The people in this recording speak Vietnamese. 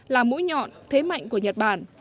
là mũi nhọn thế mạnh của nhật bản